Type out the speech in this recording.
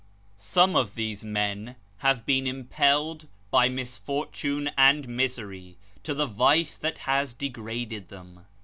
Some of these men have been impelled, by misfortune and misery, to the vice that has degraded them.